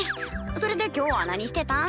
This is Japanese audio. それで今日は何してたん？